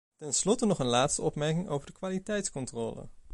Tenslotte nog een laatste opmerking over de kwaliteitscontrole.